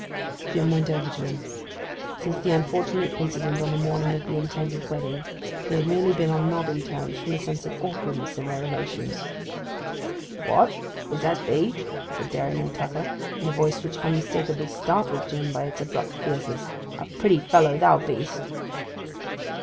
Jim went over to him. Since the unfortunate incident on the morning of the intended wedding they had merely been on nodding terms, from a sense of awkwardness in their relations. 'What—is that thee?' said Dairyman Tucker, in a voice which unmistakably startled Jim by its abrupt fierceness. 'A pretty fellow thou be'st!